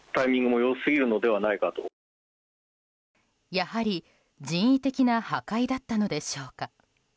やはり、人為的な破壊だったのでしょうか。